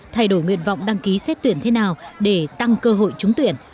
thay đổi nguyện vọng đăng ký xét tuyển thế nào để tăng cơ hội trúng tuyển